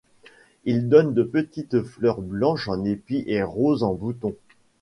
Il donne de petites fleurs blanches en épi et roses en boutons.